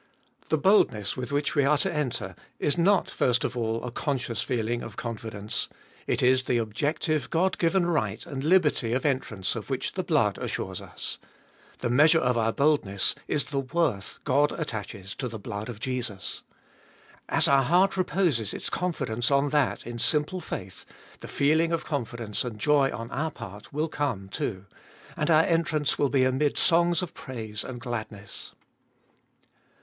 The boldness with which we are to enter is not, first of all, a conscious feeling of confidence; it is the objective God given right and liberty of entrance of which the blood assures us. The measure of our boldness is the worth God attaches to the blood of Jesus. As our heart reposes its confidence on that in simple faith, the feeling of confidence and joy on our part will come too, and our entrance will be amid songs of praise and gladness.